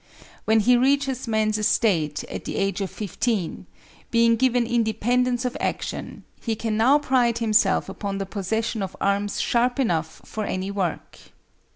When he reaches man's estate at the age of fifteen, being given independence of action, he can now pride himself upon the possession of arms sharp enough for any work.